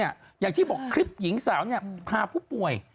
อย่างที่บอกคลิปหญิงสาวพาผู้ป่วย